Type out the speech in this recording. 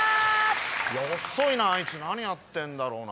遅いなあいつ何やってんだろうな？